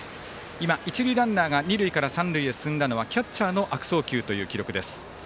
今、一塁ランナーが二塁から三塁へ進んだのはキャッチャーの悪送球という記録です。